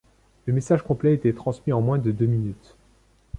Le message complet était transmis en moins de deux minutes.